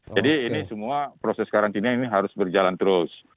jadi ini semua proses karantina ini harus berjalan terus